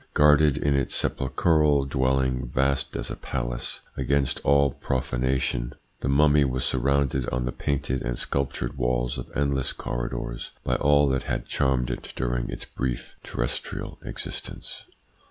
Guarded in its sepulchral dwelling, vast as a palace, against all profanation, the mummy was surrounded on the painted and sculptured walls of endless corridors by all that had charmed it during its brief terrestial existence.